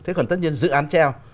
thế còn tất nhiên dự án treo